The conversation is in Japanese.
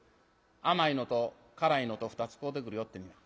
甘いのと辛いのと２つ買うてくるよってにな